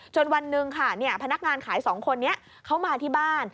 วันหนึ่งค่ะพนักงานขายสองคนนี้เขามาที่บ้าน